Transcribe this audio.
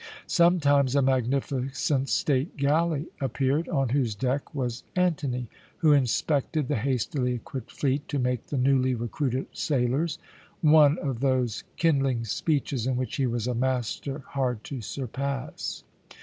Sometimes a magnificent state galley appeared, on whose deck was Antony, who inspected the hastily equipped fleet to make the newly recruited sailors one of those kindling speeches in which he was a master hard to surpass.